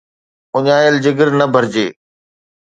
اُڃايل جگر، نه ڀرجي